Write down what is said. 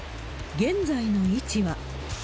現在の位置は。